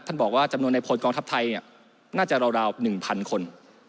บอกว่าจำนวนในพลกองทัพไทยน่าจะราว๑๐๐คน